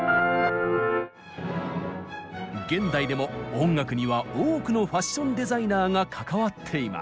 現代でも音楽には多くのファッションデザイナーが関わっています。